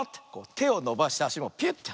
てをのばしてあしもピュッて。